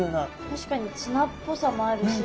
確かにツナっぽさもあるし。